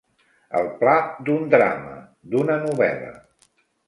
El pla d'un drama, d'una novel·la.